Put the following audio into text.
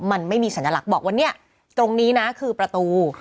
มันไม่มีสัญลักษณ์บอกว่าเนี่ยตรงนี้นะคือประตู